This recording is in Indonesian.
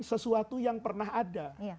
sesuatu yang pernah ada